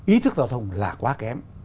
ý thức tàu thông là quá kém